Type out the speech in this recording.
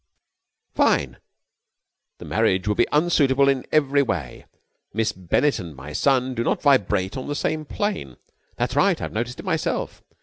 "Fine!" "The marriage would be unsuitable in every way. Miss Bennett and my son do not vibrate on the same plane." "That's right. I've noticed it myself."